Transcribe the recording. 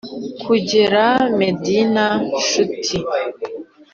kugera medina, nshuti?